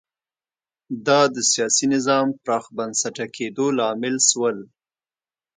دا د سیاسي نظام پراخ بنسټه کېدو لامل شول